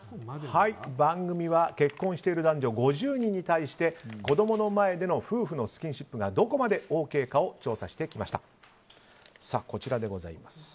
番組は結婚している男女５０人に対して子供の前での夫婦のスキンシップがどこまでＯＫかを調査してきました。